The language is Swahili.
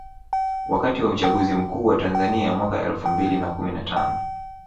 Wakati wa uchaguzi mkuu wa Tanzania mwaka elfu mbili na kumi na tano